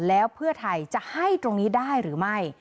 แล้วเพื่อไทยจะให้ตรงนี้ได้หรือไม่